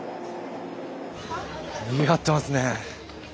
にぎわってますね。